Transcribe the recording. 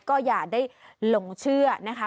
ก็อย่าได้หลงเชื่อนะคะ